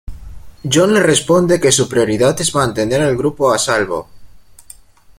John le responde que su prioridad es mantener al grupo a salvo.